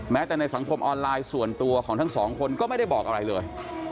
แต่ในสังคมออนไลน์ส่วนตัวของทั้งสองคนก็ไม่ได้บอกอะไรเลย